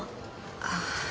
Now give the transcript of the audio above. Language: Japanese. ああ。